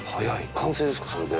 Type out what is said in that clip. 完成ですかそれで？